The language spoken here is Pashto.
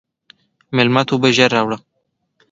مېلمه ته اوبه ژر راوله.